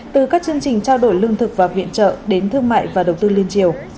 từ các chương trình trao đổi lương thực và viện trợ đến thương mại và đầu tư liên triều